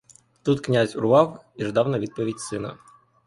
Тут князь урвав і ждав на відповідь сина.